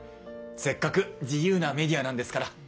せっかく自由なメディアなんですから。